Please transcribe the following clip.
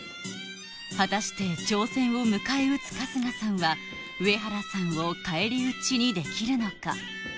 果たして挑戦を迎え撃つ春日さんは上原さんを返り討ちにできるのか？